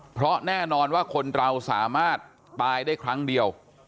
เพราะแน่นอนว่าคนเราสามารถตายได้ครั้งเดียว